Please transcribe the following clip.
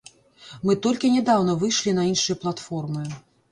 Мы толькі нядаўна выйшлі на іншыя платформы.